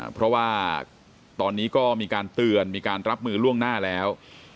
เพราะว่าตอนนี้ก็มีการเตือนมีการรับมือล่วงหน้าแล้ว